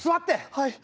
はい。